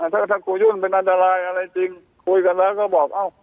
ถ้าครูยุ่นเป็นอันตรายอะไรจริงคุยกันแล้วก็บอกเอ้า